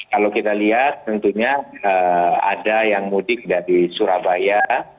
kalau kita lihat tentunya ada yang mudik dari surabaya